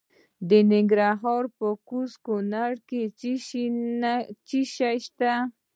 د ننګرهار په کوز کونړ کې څه شی شته؟